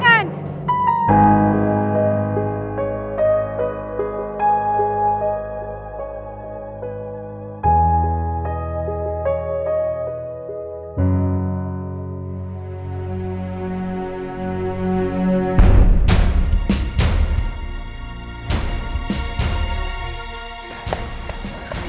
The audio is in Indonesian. sampai jumpa lagi